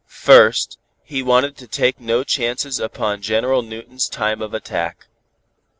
First, he wanted to take no chances upon General Newton's time of attack.